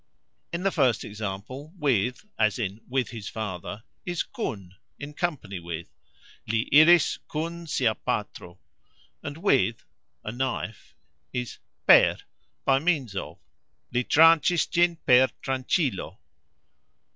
In the first example "with" his father is "kun", in company with, Li iris "kun" sia patro, and "with" a knife is "per", by means of, Li trancxis gxin "per" trancxilo.